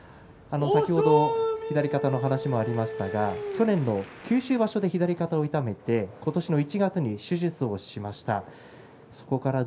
左肩の話がありましたが去年の九州場所で左肩を痛めて今年の１月に手術をしました。